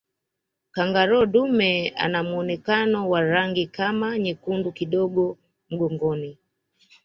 kangaroo dume anamuonekano wa rangi kama nyekundu kidogo mgongoni